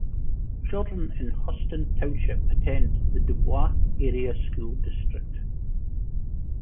Children in Huston Township attend the Dubois Area School District.